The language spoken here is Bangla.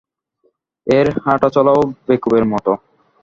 এর হাঁটাচলাও বেকুবের মতো।